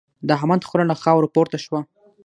د احمد خوله له خاورو پورته شوه.